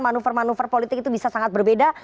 manuver manuver politik itu bisa sangat berbeda